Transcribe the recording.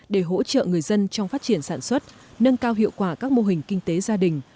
để hỗ trợ người dân trong phát triển sản xuất nâng cao hiệu quả các mô hình kinh tế gia đình